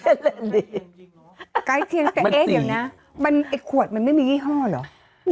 แต่เอ๊ะเดี๋ยวนะไอ้ขวดมันไม่มียี่ห้อหรอ